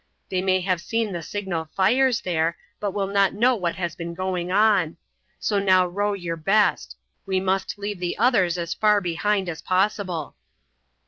They may have seen the signal fires there, but will not know what has been going on. So now row your best. We must leave the others as far behind as possible."